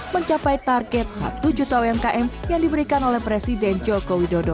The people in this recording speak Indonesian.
mencapai target satu juta umkm yang diberikan oleh presiden joko widodo